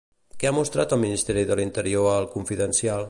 Què ha mostrat el Ministeri d'Interior a El Confidencial?